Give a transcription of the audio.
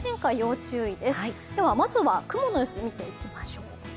まずは雲の様子見ていきましょう。